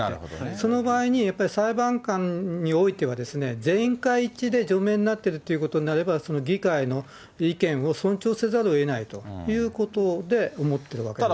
その場合に、やっぱり裁判官においては、全会一致で除名になっているということになれば、その議会の意見を尊重せざるをえないということで思ってるわけでただ、